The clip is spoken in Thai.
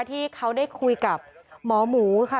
ที่เขาได้คุยกับหมอหมูค่ะ